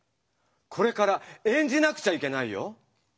これから演じなくちゃいけないよ。